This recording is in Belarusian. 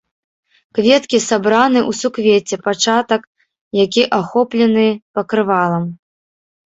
Кветкі сабраны ў суквецце пачатак, які ахоплены пакрывалам.